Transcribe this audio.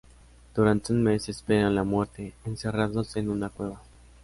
Durante un mes esperan la muerte, encerrados en una cueva.